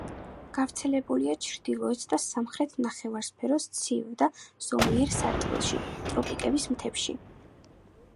გავრცელებულია ჩრდილოეთ და სამხრეთ ნახევარსფეროს ცივ და ზომიერ სარტყელში, ტროპიკების მთებში.